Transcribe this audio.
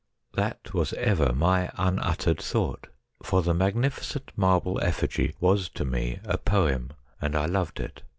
' That was ever my unuttered thought, for the magnificent marble effigy was to me a poem, and I loved it.